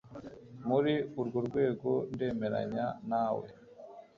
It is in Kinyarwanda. Muri urwo rwego ndemeranya nawe